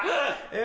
え